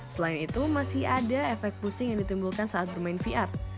selain itu masih ada efek pusing yang ditimbulkan saat bermain vr